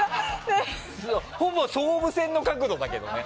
ほぼ総武線の角度だけどね。